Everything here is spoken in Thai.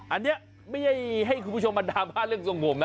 อันนี้ไม่ให้คุณผู้ชมอดามลาเรื่องสงมนะ